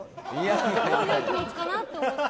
どういう気持ちかなと思って。